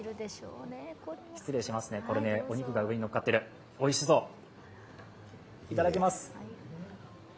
失礼しますね、お肉が上にのっかってるおいしそう、いただきます。